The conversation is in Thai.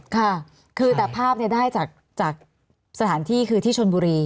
ค่ะคือแต่ภาพได้จากสถานที่คือที่ชนบุรี